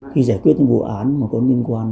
khi giải quyết vụ án